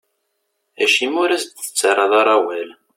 Acimi ur as-d-tettarraḍ ara awal?